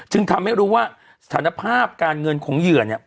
ทำให้รู้ว่าสถานภาพการเงินของเหยื่อเนี่ย